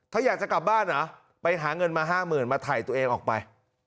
ถ้าอยากจะกลับบ้านเหรอไปหาเงินมา๕๐๐๐มาถ่ายตัวเองออกไป